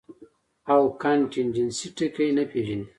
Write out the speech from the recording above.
او کانټنجنسي ټکے نۀ پېژني -